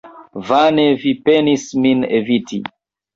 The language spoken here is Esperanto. Vane vi penis min eviti!